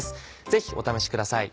ぜひお試しください。